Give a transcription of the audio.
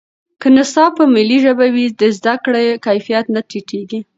که نصاب په ملي ژبه وي، د زده کړې کیفیت نه ټیټېږي.